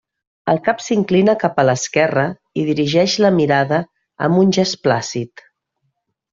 El cap s'inclina cap a l'esquerra i dirigeix la mirada amb un gest plàcid.